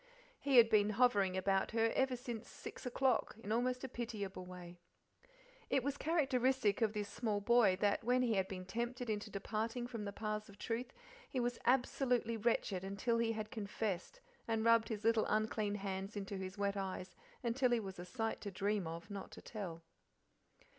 He had been hovering about her ever since six o'clock in almost a pitiable way. It was characteristic of this small boy that when he had been tempted into departing from the paths of truth he was absolutely wretched until he had confessed, and rubbed his little unclean hands into his wet eyes until he was "a sight to dream of, not to tell."